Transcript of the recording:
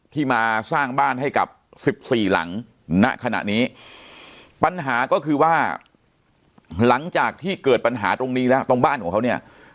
ที่มาสร้างบ้านให้กับสิบสี่หลังณขณะนี้ปัญหาก็คือว่าหลังจากที่เกิดปัญหาตรงนี้แล้วตรงบ้านของเขาเนี่ย